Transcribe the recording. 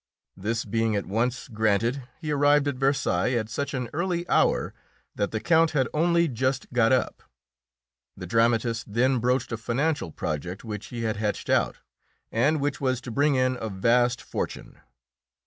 This being at once granted, he arrived at Versailles at such an early hour that the Count had only just got up. The dramatist then broached a financial project which he had hatched out, and which was to bring in a vast fortune.